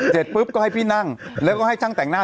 เสร็จปุ๊บก็ให้พี่นั่งแล้วก็ให้ช่างแต่งหน้า